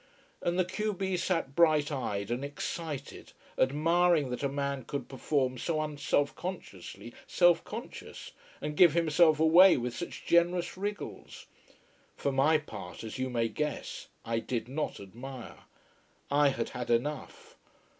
And the q b sat bright eyed and excited, admiring that a man could perform so unself consciously self conscious, and give himself away with such generous wriggles. For my part, as you may guess, I did not admire. I had had enough.